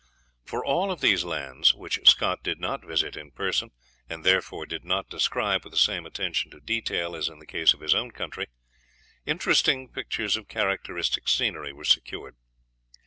For all of these lands, which Scott did not visit in person, and therefore did not describe with the same attention to detail as in the case of his own country, interesting pictures of characteristic scenery were secured.